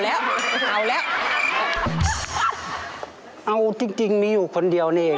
เอาจริงมีอยู่คนเดียวเนี่ย